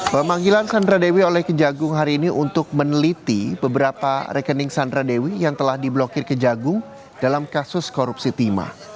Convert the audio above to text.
pemanggilan sandra dewi oleh kejagung hari ini untuk meneliti beberapa rekening sandra dewi yang telah diblokir kejagung dalam kasus korupsi timah